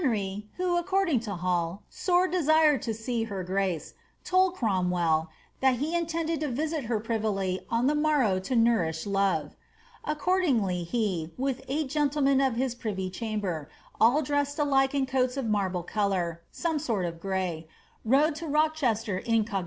HeDry, who, according lo Hall, ^sore desired to see her grace,^ told Cromwelly ^ that he intended to viait her privily od the morrow to nonriah love.*' ' Accordingly, he, with eight gentlemen of hia privy chamber, all dreaaed alike in coats of marble colour (aome aort of grey), rode to Rocheater incog.